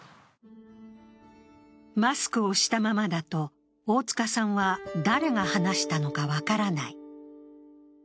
マスクをしたままだと、大塚さんは誰が話したのか分からない。